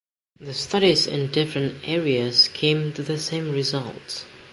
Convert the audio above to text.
The studies in different areas came to the same results.